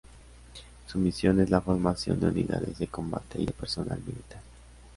Su misión es la formación de unidades de combate y de personal militar.